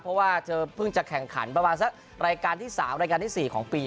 เพราะว่าเธอเพิ่งจะแข่งขันประมาณสักรายการที่๓รายการที่๔ของปี